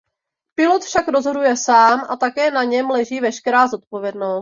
Pilot však rozhoduje sám a také na něm leží veškerá zodpovědnost.